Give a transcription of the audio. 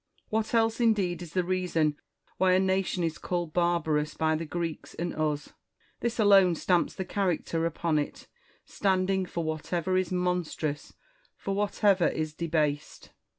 What else indeed is the reason why a nation is called barbarous by the Greeks and us ? This alone stamps the character upon it, standing for whatever is monstrous, for whatever is debased.